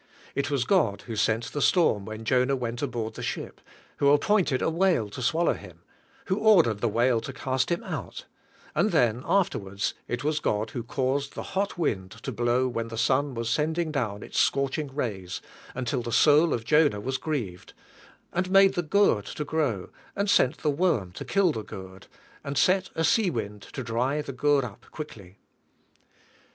It was God who sent the storm when Jonah went aboard the ship, who appointed a whale to swallow him, who ordered the whale to cast him out; and then afterwards it was God who caused the hot wind to blow when the sun was sending down its scorch ing rays, until the soul of Jonah was grieved, and made the gourd to grow, and sent the worm to kill the gourd, and set a sea wind to dry the gourd up quickly.